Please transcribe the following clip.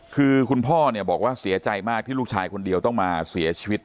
คือคุณพ่อเนี่ยบอกว่าเสียใจมากที่ลูกชายคนเดียวต้องมาเสียชีวิต